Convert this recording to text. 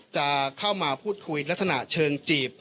จะเข้ามาพูดคุยลักษณะเชิงจีบ